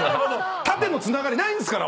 縦のつながりないんですから！